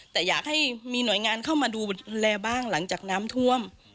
แต่อยากให้มีหน่วยงานเข้ามาดูแลบ้างหลังจากน้ำท่วม